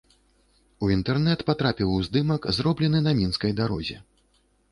У інтэрнэт патрапіў здымак, зроблены на мінскай дарозе.